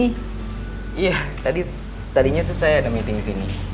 iya tadi tadinya tuh saya ada meeting disini